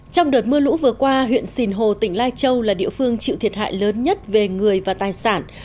trong đợt mưa lũ vừa qua huyện sìn hồ tỉnh lai châu là địa phương chịu thiệt hại lớn nhất về người và tài sản